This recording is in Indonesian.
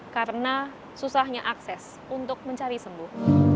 karena susahnya akses untuk mencari sembuh